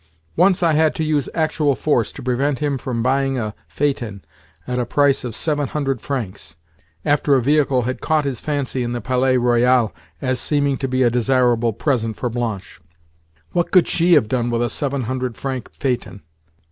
Once I had to use actual force to prevent him from buying a phaeton at a price of seven hundred francs, after a vehicle had caught his fancy in the Palais Royal as seeming to be a desirable present for Blanche. What could she have done with a seven hundred franc phaeton?